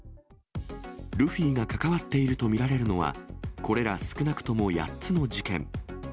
ルフィが関わっていると見られるのは、これら少なくとも８つの事件。